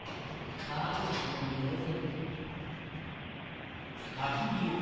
さてもう寝ようぜ。